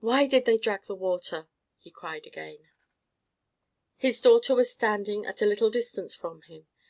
"Why did they drag the water?" he cried again. His daughter was standing at a little distance from him.